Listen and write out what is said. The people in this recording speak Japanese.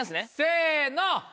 せの。